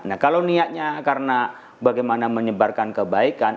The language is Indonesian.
nah kalau niatnya karena bagaimana menyebarkan kebaikan